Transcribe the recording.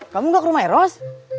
kamu gak ke rumah eros